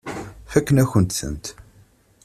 Fakken-akent-tent.